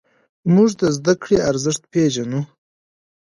موږ د زدهکړې ارزښت پېژنو.